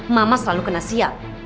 mama selalu kena sial